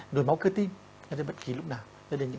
nụi máu cơ tinh